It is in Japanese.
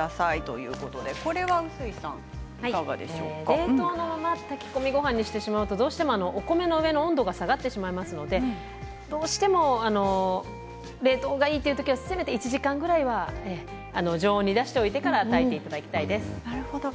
冷凍のまま炊き込みごはんにしてしまうとどうしてもお米の上の温度が下がってしまいますのでどうしても冷凍がいいという時にはせめて１時間ぐらいは常温に出していただいてから炊いていただきたいです。